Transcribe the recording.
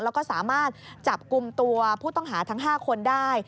แล้วก็สามารถจับกลุ่มตัวผู้ต้องหาทั้ง๕คนได้